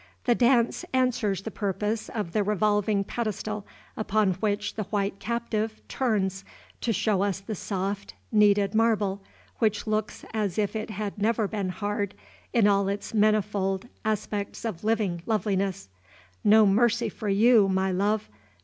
The dance answers the purpose of the revolving pedestal upon which the "White Captive" turns, to show us the soft, kneaded marble, which looks as if it had never been hard, in all its manifold aspects of living loveliness. No mercy for you, my love!